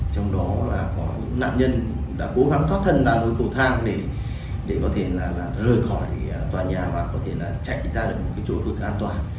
trong đó là có những nạn nhân đã cố gắng thoát thân ra đôi cổ thang để có thể rời khỏi tòa nhà và có thể chạy ra được một chỗ rất an toàn